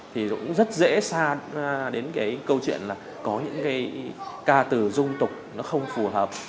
thì cũng rất dễ xa đến cái câu chuyện là có những cái ca từ dung tục nó không phù hợp